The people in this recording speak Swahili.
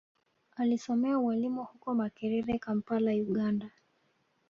Alisomea ualimu huko Makerere Kampala Uganda